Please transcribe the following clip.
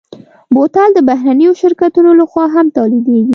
بوتل د بهرنيو شرکتونو لهخوا هم تولیدېږي.